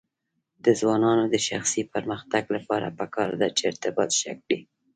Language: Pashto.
د ځوانانو د شخصي پرمختګ لپاره پکار ده چې ارتباط ښه کړي.